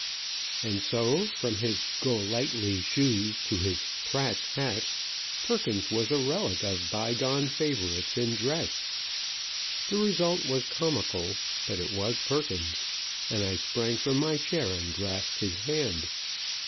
And so, from his "Go lightly" shoes to his Pratt's hat, Perkins was a relic of bygone favorites in dress. The result was comical, but it was Perkins; and I sprang from my chair and grasped his hand.